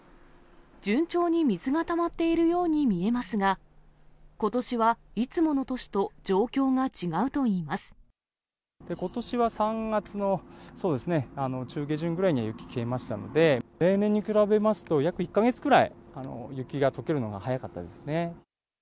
順調に水がたまっているように見えますが、ことしはいつもの年とことしは３月の、そうですね、中下旬くらいに雪消えましたので、例年に比べますと、約１か月くらい雪がとけるのが早かったですね。